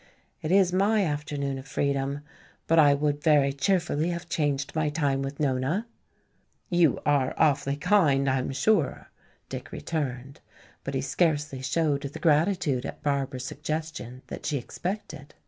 It is my afternoon of freedom, but I would very cheerfully have changed my time with Nona." "You are awfully kind, I am sure," Dick returned. But he scarcely showed the gratitude at Barbara's suggestion that she expected.